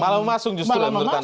malah memasung justru menurut anda ya